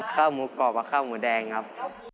ข้าวหมูกรอบกับข้าวหมูแดงครับ